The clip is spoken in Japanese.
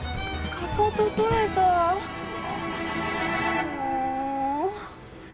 かかと取れたもう。